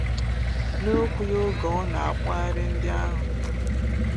N'okwu ya oge ọ na-akpụgharị ndị ahụ